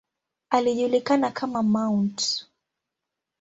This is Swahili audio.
Alijulikana kama ""Mt.